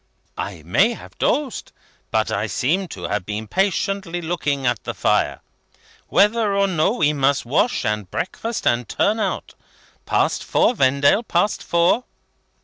"I may have dozed, but I seem to have been patiently looking at the fire. Whether or no, we must wash, and breakfast, and turn out. Past four, Vendale; past four!"